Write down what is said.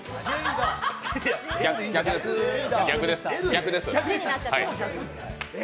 逆、逆です。